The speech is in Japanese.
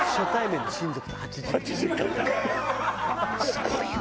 すごいわ！